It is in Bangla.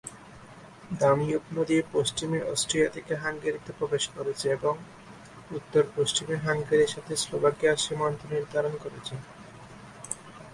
দানিউব নদী পশ্চিমে অস্ট্রিয়া থেকে হাঙ্গেরিতে প্রবেশ করেছে এবং উত্তর-পশ্চিমে হাঙ্গেরির সাথে স্লোভাকিয়ার সীমান্ত নির্ধারণ করেছে।